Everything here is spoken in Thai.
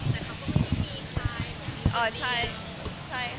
ไม่ได้พิสูจน์อะไรเลยค่ะ